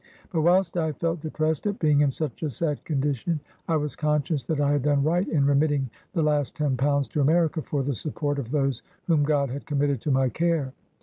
But whilst I felt depressed at being in such a sad condition, I was conscious that I had done right in remitting the last ten pounds to America, for the support of those whom God had committed to my care.